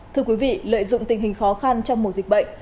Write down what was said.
thưa quý vị lợi dụng tình hình khó khăn trong mùa dịch bệnh